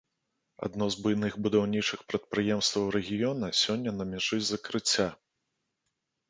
Адно з буйных будаўнічых прадпрыемстваў рэгіёна сёння на мяжы закрыцця.